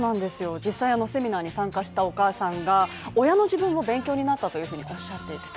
実際のセミナーに参加したお母さんが親の自分も勉強になったというふうにおっしゃっていました